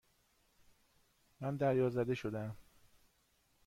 من دریازده شدهام.